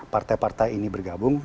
partai partai ini bergabung